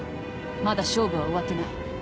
まだ勝負は終わってない。